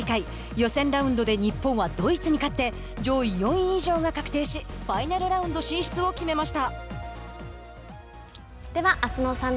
予選ラウンドで日本はドイツに勝って上位４位以上が確定しファイナルラウンド進出を決めました。